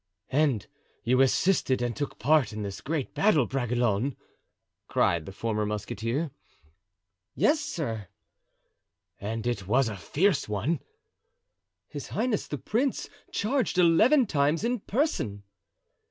"And you assisted and took part in this great battle, Bragelonne!" cried the former musketeer. "Yes, sir." "And it was a fierce one?" "His highness the prince charged eleven times in person."